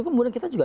kemudian kita juga